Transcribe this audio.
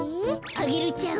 アゲルちゃん